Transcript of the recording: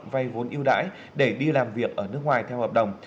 vay vốn yêu đãi để đi làm việc ở nước ngoài theo hợp đồng